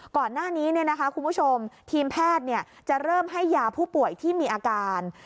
ก่อนหน้านี้เนี่ยนะคะคุณผู้ชมทีมแพทย์เนี่ยจะเริ่มให้ยาผู้ป่วยที่มีอาการ